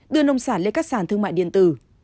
đưa nông sản lên các sàn thương mại điện tử